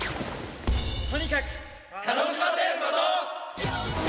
とにかく楽しませること。